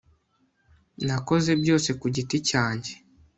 nakoze byose ku giti cyanjye